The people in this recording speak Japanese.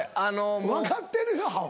分かってるよアホ。